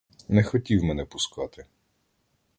Не хотів мене пускати.